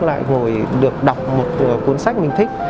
lại ngồi được đọc một cuốn sách mình thích